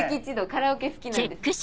カラオケ好きなんです。